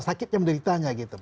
sakitnya menderitanya gitu